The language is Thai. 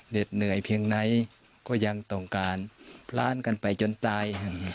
เหนื่อยเพียงไหนก็ยังต้องการพลานกันไปจนตาย